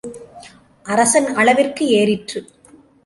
அரசன் அளவிற்கு ஏறிற்று.